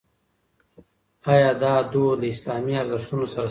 ایا دا دود له اسلامي ارزښتونو سره سم دی؟